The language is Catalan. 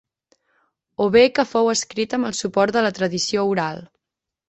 O bé que fou escrit amb el suport de la tradició oral.